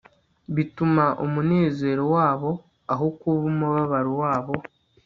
bituma umunezero wabo aho kuba umubabaro wabo